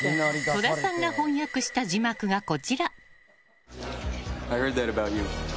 戸田さんが翻訳した字幕がこちら。